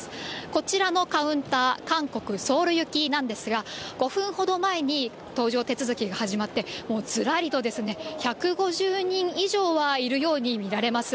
こちらのカウンター、韓国・ソウル行きなんですが、５分ほど前に搭乗手続きが始まって、もうずらりと１５０人以上はいるように見られます。